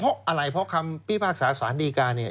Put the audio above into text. เพราะอะไรเพราะคำพี่ภาคศาสตร์ศาลนีริกานี้